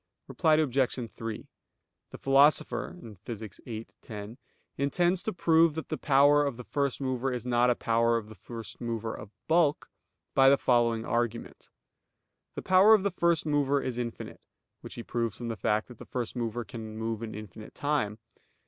Reply Obj. 3: The Philosopher (Phys. viii, 10) intends to prove that the power of the first mover is not a power of the first mover of bulk, by the following argument. The power of the first mover is infinite (which he proves from the fact that the first mover can move in infinite time).